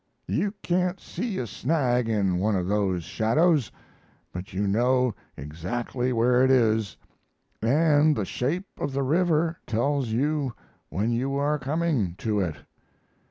You can't see a snag in one of those shadows, but you know exactly where it is, and the shape of the river tells you when you are coming to it.